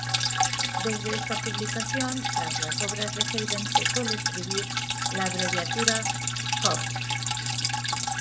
Desde esta publicación, tras las obras de Haydn se suele escribir la abreviatura "Hob.